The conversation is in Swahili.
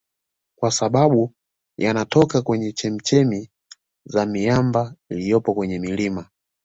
Kwa sababu yanatoka kwenye chemichemi za miamba iliyopo kwenye milima